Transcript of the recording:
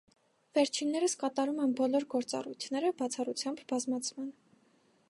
Վերջիններս կատարում են բոլոր գործառույթները, բացառությամբ բազմացման։